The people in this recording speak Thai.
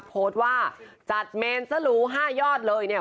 โพสต์ว่าจัดเมนสลู๕ยอดเลยเนี่ย